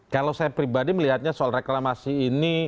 kalau saya pribadi melihatnya soal reklamasi ini